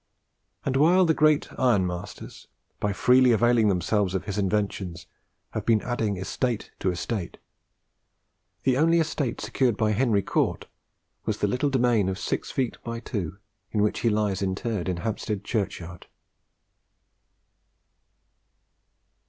And while the great ironmasters, by freely availing themselves of his inventions, have been adding estate to estate, the only estate secured by Henry Cort was the little domain of six feet by two in which he lies interred in Hampstead Churchyard.